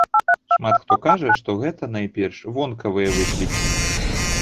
Шмат хто кажа, што гэта, найперш, вонкавыя выклікі.